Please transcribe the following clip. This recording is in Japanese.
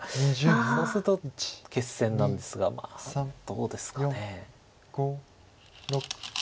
そうすると決戦なんですがまあどうですかね。